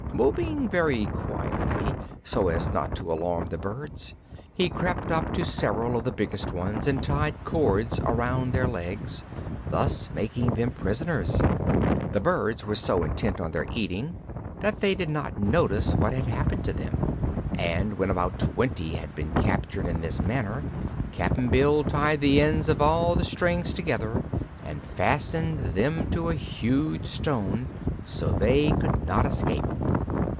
Moving very quietly, so as to not alarm the birds, he crept up to several of the biggest ones and tied cords around their legs, thus making them prisoners. The birds were so intent on their eating that they did not notice what had happened to them, and when about twenty had been captured in this manner Cap'n Bill tied the ends of all the strings together and fastened them to a huge stone, so they could not escape.